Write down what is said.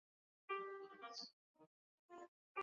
它坐落在月球东北缘并延伸到月球背面。